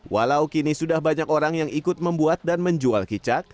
walau kini sudah banyak orang yang ikut membuat dan menjual kicak